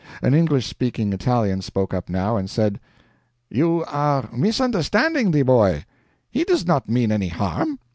An English speaking Italian spoke up, now, and said: "You are misunderstanding the boy. He does not mean any harm.